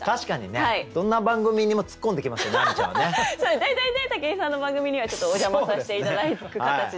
大体ね武井さんの番組にはちょっとお邪魔させて頂く形で。